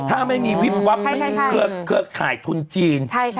ถ้าไม่มีวิบวับไม่มีเครือข่ายทุนจีน